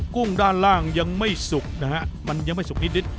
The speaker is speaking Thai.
กุ้งด้านล่างยังไม่สุกนะฮะมันยังไม่สุกนิด